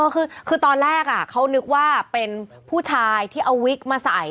คือตอนแรกเขานึกว่าเป็นผู้ชายที่เอาวิกมาใส่